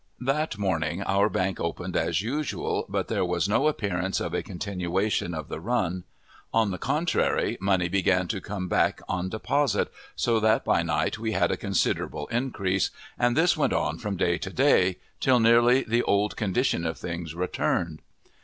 That morning our bank opened as usual, but there was no appearance of a continuation of the "run;" on the contrary, money began to come back on deposit, so that by night we had a considerable increase, and this went on from day to day, till nearly the old condition of things returned.